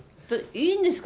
いいんですか？